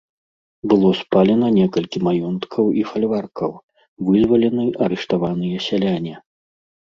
Было спалена некалькі маёнткаў і фальваркаў, вызвалены арыштаваныя сяляне.